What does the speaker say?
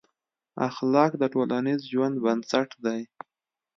اخلاق د ټولنیز ژوند بنسټ دي.